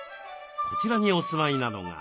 こちらにお住まいなのが。